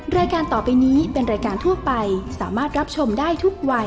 รายการต่อไปนี้เป็นรายการทั่วไปสามารถรับชมได้ทุกวัย